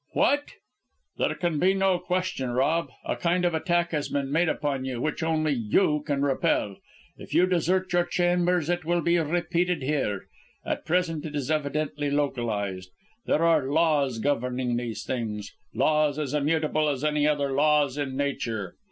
"What!" "There can be no question, Rob. A kind of attack has been made upon you which only you can repel. If you desert your chambers, it will be repeated here. At present it is evidently localised. There are laws governing these things; laws as immutable as any other laws in Nature.